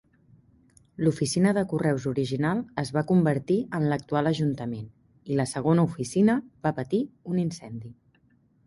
L'oficina de correus original es va convertir en l'actual Ajuntament, i la segona oficina va patir un incendi.